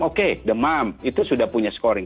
oke demam itu sudah punya scoring